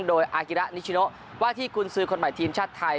โดยอากิระนิชิโนว่าที่กุญสือคนใหม่ทีมชาติไทย